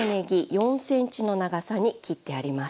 ４ｃｍの長さに切ってあります。